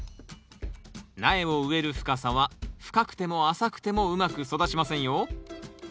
苗を植える深さは深くても浅くてもうまく育ちませんよ。